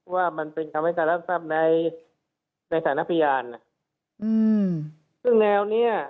ว่ามันเป็นคำให้การรับทราบในในฐานะพยานอืมซึ่งแนวเนี้ย